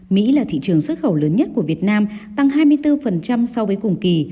mỹ là thị trường xuất khẩu lớn nhất của việt nam tăng hai mươi bốn so với cùng kỳ